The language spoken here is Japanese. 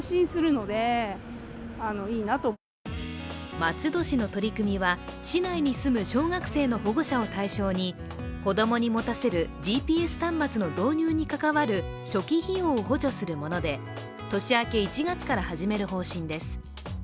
松戸市の取り組みは市内に住む小学生の保護者を対象に子供に持たせるＧＰＳ端末の導入に関わる初期費用を補助するもので、年明け１月から始める方針です。